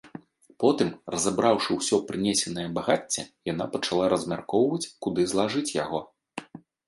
Потым, разабраўшы ўсё прынесенае багацце, яна пачала размяркоўваць, куды злажыць яго.